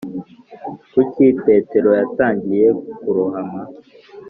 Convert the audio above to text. Kuki Petero yatangiye kurohama?